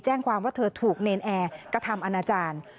แจ้งความว่าเธอถูกเนรนแอร์กระทำอนาจารย์